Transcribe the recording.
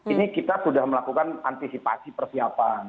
ini kita sudah melakukan antisipasi persiapan